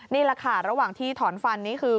นี่แหละค่ะระหว่างที่ถอนฟันนี้คือ